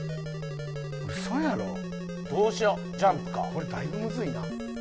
これだいぶむずいな。